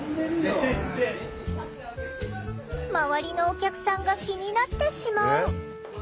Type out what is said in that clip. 周りのお客さんが気になってしまう。